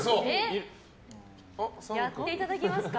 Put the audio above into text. やっていただきますか？